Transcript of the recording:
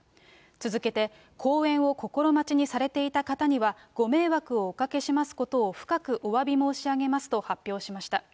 続けて、公演を心待ちにされていた方には、ご迷惑をおかけしますことを深くおわび申し上げますと発表しました。